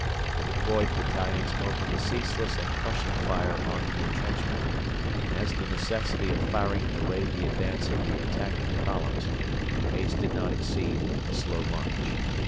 The deployed battalions opened a ceaseless and crushing fire on the entrenchment, and as the necessity of firing delayed the advance of the attacking columns, the pace did not exceed a slow march.